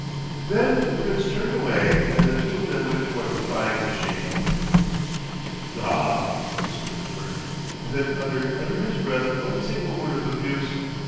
Then the Prince turned away and the two of them went towards the flying machine. "Gaw!" whispered Bert, and then uttered under his breath one single word of abuse.